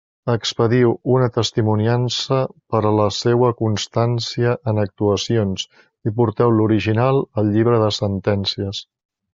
Expediu una testimoniança per a la seua constància en actuacions, i porteu l'original al llibre de sentències.